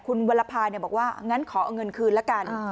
คุณวรภาบอกว่างั้นขอเอาเงินคืนละกัน